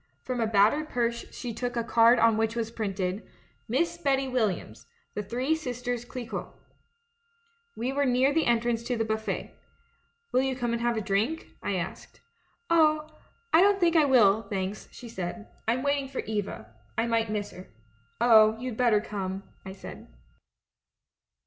From a battered purse she took a card on which was printed: 3Iiss Betty Williams The Three Sisters Clicquot "We were near the entrance to the buffet. 'Will you come and have a drink?' I asked. " 'Oh, I don't think I will, thanks,' she said. 'I'm waiting for Eva — I might miss her.' " 'Oh, you'd better come,' I said.